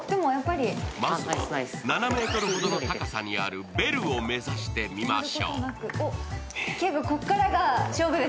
まずは７ｍほどの高さにあるベルを目指してみましょう。